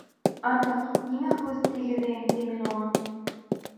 Атаҡ, ниңә һүҙ тейгеҙәйем ти мин уға!